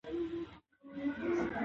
ځنګلونه د افغانستان طبعي شتمني ده.